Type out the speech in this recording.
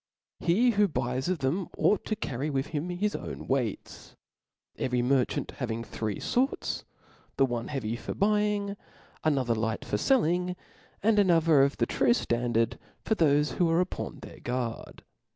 He who buys of them, oiight to carry with him h|s own (0 weights, every merchant having three forts, (')Lanffc'f the one heavy for buying, anotherlight for felling, ^^^J^^^^^ and another of the true ftandard for thole who are 17%%^ in upon their guard.